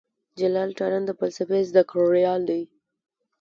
جلال تارڼ د فلسفې زده کړيال دی.